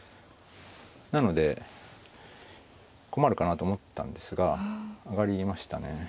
なので困るかなと思ったんですが上がりましたね。